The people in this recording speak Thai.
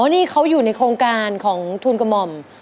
นี่เขาอยู่ในโครงการของทุนกระหม่อม